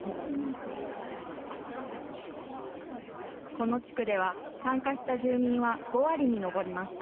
この地区では、参加した住民は５割に上りました。